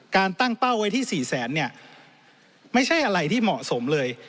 ตั้งเป้าไว้ที่๔แสนเนี่ยไม่ใช่อะไรที่เหมาะสมเลย